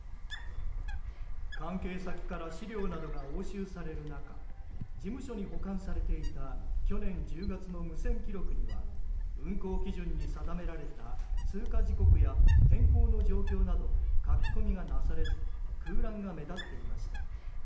関係先から資料などが押収される中事務所に保管されていた去年１０月の無線記録には運航基準に定められた通過時刻や天候の状況など書き込みがなされず空欄が目立っていました。